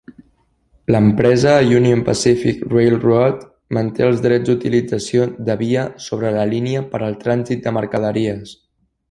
L'empresa Union Pacific Railroad manté els drets d'utilització de via sobre la línia per al trànsit de mercaderies.